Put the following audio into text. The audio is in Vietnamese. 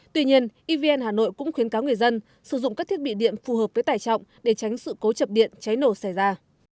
tuy nhiên evn hà nội cũng khuyến cáo người dân sử dụng các thiết bị điện phù hợp với tải trọng để tránh sự cố chập điện cháy nổ xảy ra